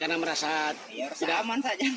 karena merasa tidak aman saja